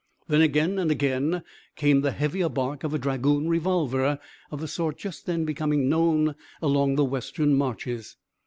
Then again and again came the heavier bark of a dragoon revolver, of the sort just then becoming known along the Western marches.